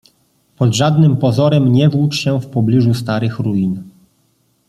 Pod żadnym pozorem nie włócz się w pobliżu starych ruin.